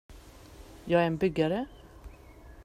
Jag är en byggare.